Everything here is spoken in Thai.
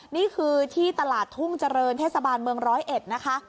นี่คือที่ตลาดทุ่งเจริญเทศบาลเมืองร้อยเอ็ดนะคะ